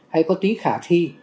hay có tí khả thi